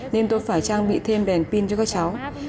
nên tôi phải trang bị thêm đèn pin cho các cháu